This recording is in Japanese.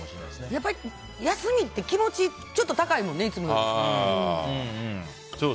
やっぱり休みって気持ち、ちょっと高いもんねいつもより。